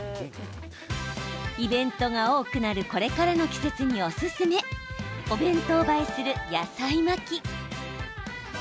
イベントが多くなるこれからの季節におすすめお弁当映えする野菜巻き。